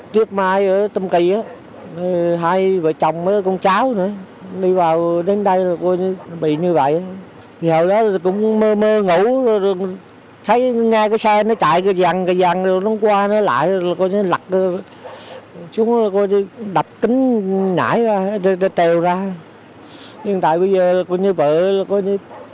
t tekn maryn d tha thi hội cộng giải mái lợi chọn